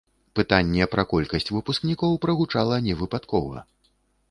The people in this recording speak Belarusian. Пытанне пра колькасць выпускнікоў прагучала невыпадкова.